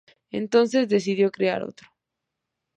Entonces, decidió crear otro.